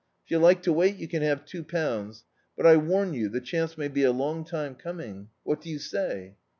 If you like to wait, you can have two pounds, but I warn you, the chance may be a long time coming. What do yoti say?"